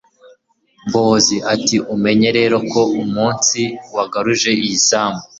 bowozi ati umenye rero ko umunsi wagaruje iyi sambu